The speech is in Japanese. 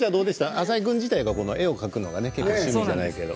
浅井君自体が絵を描くのが趣味ではないけれど。